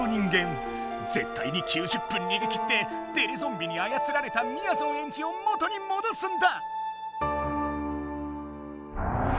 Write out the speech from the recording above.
ぜったいに９０分逃げ切ってテレゾンビにあやつられたみやぞんエンジを元に戻すんだ！